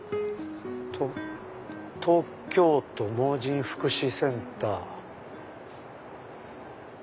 「東京都盲人福祉センター」。